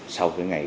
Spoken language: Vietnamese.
sau cái ngày